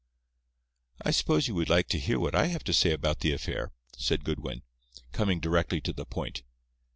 "I suppose you would like to hear what I have to say about the affair," said Goodwin, coming directly to the point.